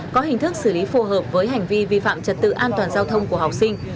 có hình thức xử lý phù hợp với hành vi vi phạm trật tự an toàn giao thông của học sinh